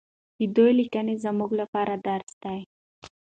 د دوی لیکنې زموږ لپاره درس دی.